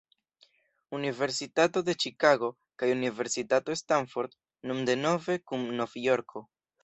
Universitato de Ĉikago kaj Universitato Stanford, nun denove kun Nov-Jorko.